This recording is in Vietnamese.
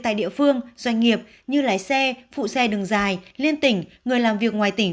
tại địa phương doanh nghiệp như lái xe phụ xe đường dài liên tỉnh người làm việc ngoài tỉnh